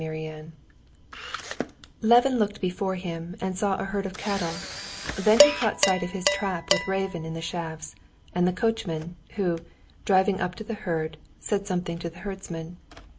Chapter 14 Levin looked before him and saw a herd of cattle, then he caught sight of his trap with Raven in the shafts, and the coachman, who, driving up to the herd, said something to the herdsman.